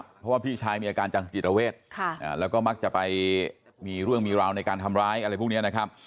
เพราะว่าพี่ชายมีอาการจังจิตเวทแล้วก็มักจะไปมีเรื่องมีราวในการทำร้ายอะไรพวกนี้นะครับ